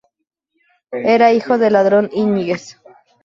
Era hijo de Ladrón Íñiguez.